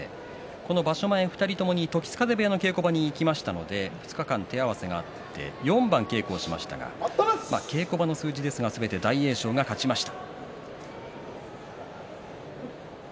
この場所前２人ともに時津風部屋の稽古場に行きましたので２日間手合わせがあって４番稽古しましたが稽古場の数字ですがすべて大栄翔が勝ちました。